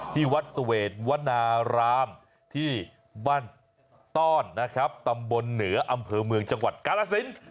ที่วัดเสวนารามที่บ้านต้อนนะครับตำบลเหนืออำเภอเมืองจังหวัดกาลสิน